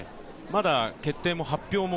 まだ決定も発表も。